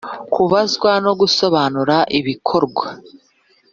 kubazwa no gusobanura ibikorwa